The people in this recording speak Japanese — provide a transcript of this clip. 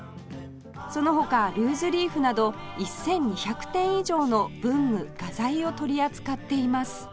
その他ルーズリーフなど１２００点以上の文具画材を取り扱っています